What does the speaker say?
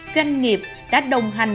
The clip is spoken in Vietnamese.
doanh nghiệp đã đồng hành